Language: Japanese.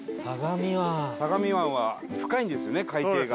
相模湾は深いんですよね海底が。